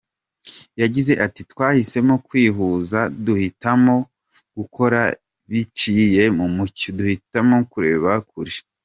Yagize ati “Twahisemo kwihuza, duhitamo gukora biciye mu mucyo, duhitamo kureba kure.